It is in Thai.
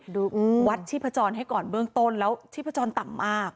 ดูวัดชีพจรให้ก่อนเบื้องต้นแล้วชีพจรต่ำมาก